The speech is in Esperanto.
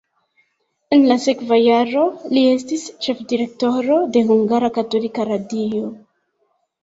En la sekva jaro li estis ĉefdirektoro de Hungara Katolika Radio.